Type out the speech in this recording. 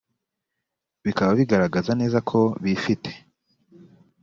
bikaba bigaragaza neza ko bifite